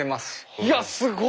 いやすごい！